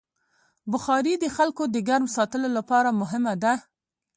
بخاري د خلکو د ګرم ساتلو لپاره مهمه ده.